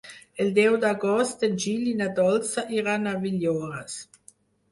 El deu d'agost en Gil i na Dolça iran a Villores.